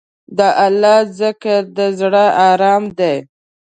د الله ذکر، د زړه ارام دی.